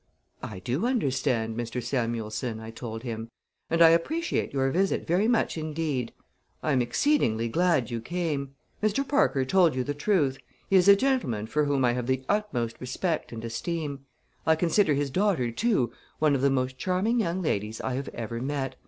"I do understand, Mr. Samuelson," I told him, "and I appreciate your visit very much indeed. I am exceedingly glad you came. Mr. Parker told you the truth. He is a gentleman for whom I have the utmost respect and esteem. I consider his daughter, too, one of the most charming young ladies I have ever met.